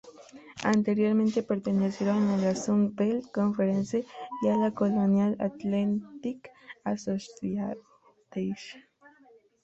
Anteriormente pertenecieron a la Sun Belt Conference y a la Colonial Athletic Association.